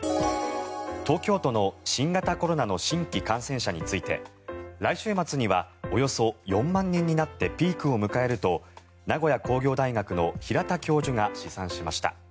東京都の新型コロナの新規感染者について来週末にはおよそ４万人になってピークを迎えると名古屋工業大学の平田教授が試算しました。